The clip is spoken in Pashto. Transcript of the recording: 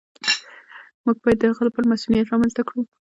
موږ باید د هغه لپاره مصونیت رامنځته کړو.